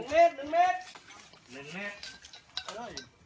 ๑มิตร